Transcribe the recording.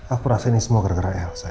aku rasa ini semua gara gara elsa